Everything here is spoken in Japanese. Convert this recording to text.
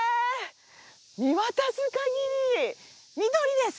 見渡す限り緑です。